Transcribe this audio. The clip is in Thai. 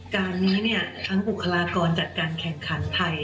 การนี้ทั้งบุคลากรจัดการแข่งขันไทย